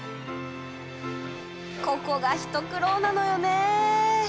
ここが一苦労なのよね。